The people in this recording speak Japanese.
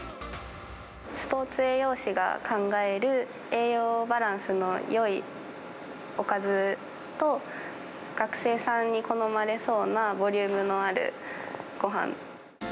スポーツ栄養士が考える栄養バランスのよいおかずと、学生さんに好まれそうなボリュームのあるごはん。